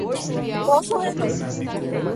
Poço Redondo